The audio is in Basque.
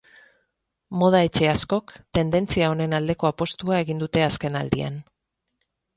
Moda etxe askok tendentzia honen aldeko apustua egin dute azkenaldian.